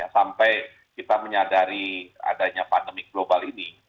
sampai kita menyadari adanya pandemi global ini